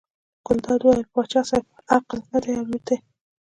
ګلداد وویل پاچا صاحب عقل نه دی الوتی.